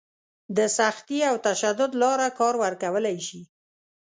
د سختي او تشدد لاره کار ورکولی شي.